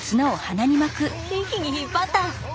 一気に引っ張った！